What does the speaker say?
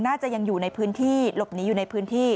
น่าจะยังอยู่ในพื้นที่หลบหนีอยู่ในพื้นที่